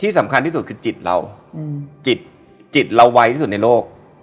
สำคัญที่สุดคือจิตเราจิตเราไวที่สุดในโลก